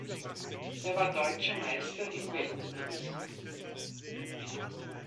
Er war deutscher Meister im Weltergewicht.